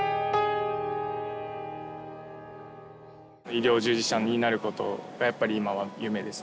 医療従事者になることがやっぱり今は夢です。